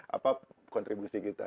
apa kontribusi kita